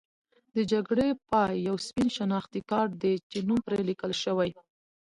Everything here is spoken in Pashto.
د جګړې پای یو سپین شناختي کارت دی چې نوم پرې لیکل شوی.